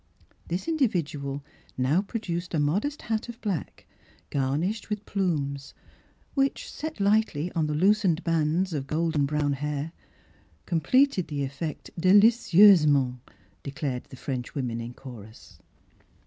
This individual now produced a modest hat of black, garnished with plumes, which, set lightly on the loosened bands of golden brown hair, completed the effect ^'deUcieusementr' declared the French women in chorus.